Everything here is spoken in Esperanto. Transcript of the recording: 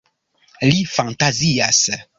Li fantazias.